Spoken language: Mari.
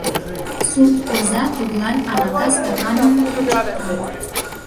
Сурт оза тудлан арака стаканым кучыкта.